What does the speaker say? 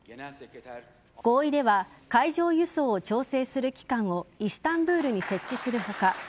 合意では海上輸送を調整する機関をイスタンブールに設置する他